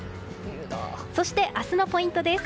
そして、明日のポイントです。